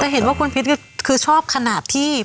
เห็นว่าคุณพิษคือชอบขนาดที่